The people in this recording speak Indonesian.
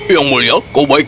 yang mulia kau baiknya